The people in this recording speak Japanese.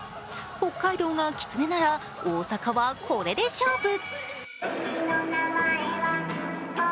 北海道がきつねなら大阪はこれで勝負。